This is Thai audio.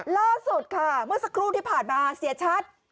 ล่าสุดค่ะเมื่อสักครู่ที่ผ่านมาเสียชัด